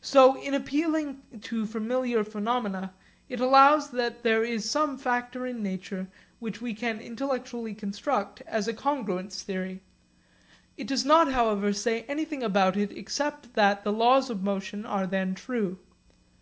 So in appealing to familiar phenomena it allows that there is some factor in nature which we can intellectually construct as a congruence theory. It does not however say anything about it except that the laws of motion are then true.